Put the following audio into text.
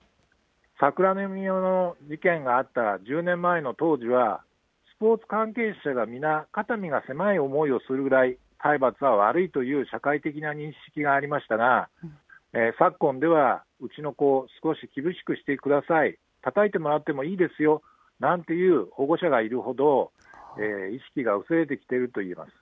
桜宮の事件があった１０年前の当時は、スポーツ関係者が皆、肩身が狭い思いをするぐらい、体罰は悪いという社会的な認識がありましたが、昨今ではうちの子を少し厳しくしてください、たたいてもらってもいいですよなんていう保護者がいるほど、意識が薄れてきているといえます。